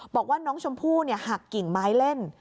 บอกว่าน้องชมพู่หักกิ่งไม้เล่น